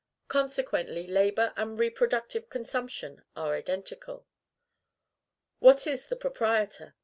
Consequently, LABOR and REPRODUCTIVE CONSUMPTION are identical. What is the proprietor?